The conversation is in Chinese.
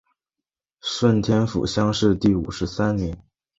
顺天府乡试第五十三名。